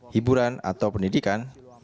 hiburan atau pendidikan